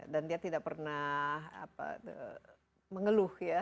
dan dia tidak pernah mengeluh ya